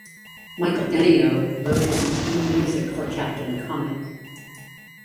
Michael Denio wrote his own music for Captain Comic.